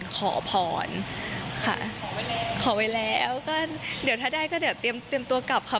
ขอพรค่ะขอไว้แล้วก็เดี๋ยวถ้าได้ก็เดี๋ยวเตรียมตัวกลับค่ะ